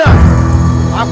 aku sudah bilang